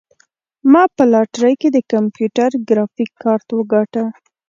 ما په لاټرۍ کې د کمپیوټر ګرافیک کارت وګاټه.